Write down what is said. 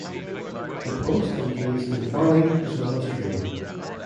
The post engaged in farming as well as trading.